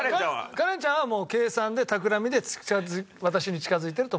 カレンちゃんはもう「計算でたくらみで私に近付いてる」と思ってるよ。